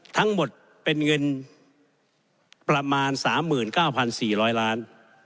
ทั้งหมดเป็นเงินประมาณ๓๙๔๐๐ล้าน